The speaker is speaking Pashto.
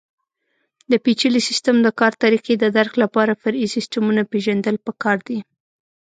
د پېچلي سیسټم د کار طریقې د درک لپاره فرعي سیسټمونه پېژندل پکار دي.